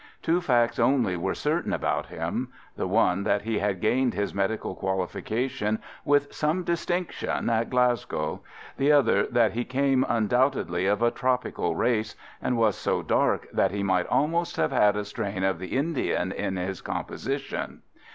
Two facts only were certain about him: the one that he had gained his medical qualification with some distinction at Glasgow; the other that he came undoubtedly of a tropical race, and was so dark that he might almost have had a strain of the Indian in his composition.